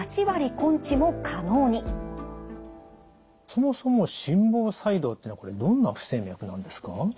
そもそも心房細動っていうのはこれどんな不整脈なんですか？